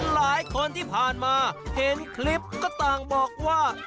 หลายคนที่ผ่านมาเห็นคลิปก็ต่างบอกว่า